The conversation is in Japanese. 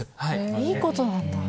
いいことなんだ。